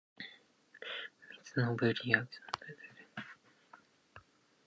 Mitsunobu reaction has several applications in the synthesis of natural products and pharmaceuticals.